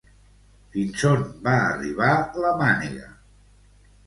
Fins on va arribar la mànega?